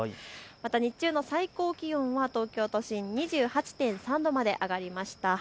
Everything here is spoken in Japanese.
日中の最高気温は東京都心２８．３度まで上がりました。